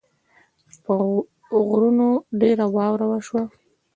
په غرونو ډېره واوره وشوه